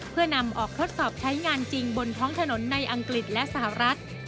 เพื่อนำออกทดสอบใช้งานจริงบนท้องถนนในอังกฤษและสหรัฐ